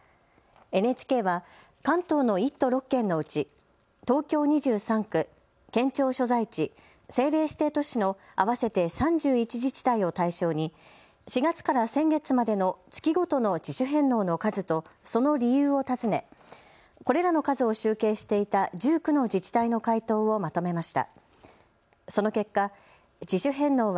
ＮＨＫは関東の１都６県のうち東京２３区、県庁所在地、政令指定都市の合わせて３１自治体を対象に４月から先月までの月ごとの自主返納の数とその理由を尋ねこれらの数を集計していた１９の自治体の回答をまとめました。